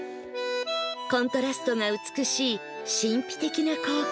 コントラストが美しい神秘的な光景が